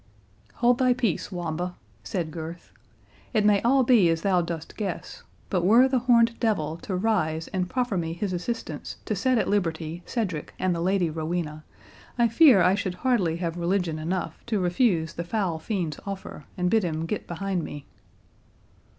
"Hold thy peace, Wamba," said Gurth; "it may all be as thou dost guess; but were the horned devil to rise and proffer me his assistance to set at liberty Cedric and the Lady Rowena, I fear I should hardly have religion enough to refuse the foul fiend's offer, and bid him get behind me."